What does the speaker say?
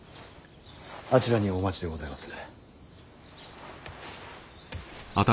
あちらにお待ちでございます。